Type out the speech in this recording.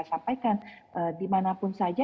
sampaikan dimanapun saja